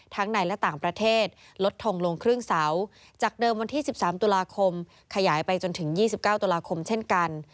ในและต่างประเทศลดทงลงครึ่งเสาจากเดิมวันที่๑๓ตุลาคมขยายไปจนถึง๒๙ตุลาคมเช่นกัน